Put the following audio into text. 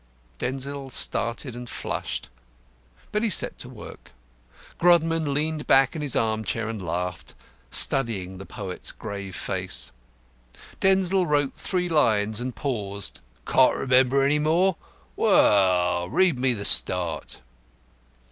Denzil started and flushed. But he set to work. Grodman leaned back in his arm chair and laughed, studying the poet's grave face. Denzil wrote three lines and paused. "Can't remember any more? Well, read me the start."